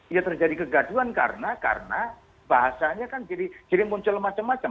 ya terjadi kegaduan karena bahasanya kan jadi muncul macam macam